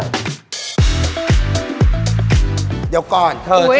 เดี๋ยวก่อนเธอแวะก่อน